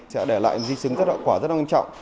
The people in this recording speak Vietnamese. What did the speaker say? sẽ để lại di sứng rất hậu quả rất là quan trọng